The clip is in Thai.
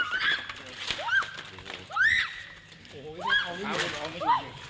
ไม่ต้อง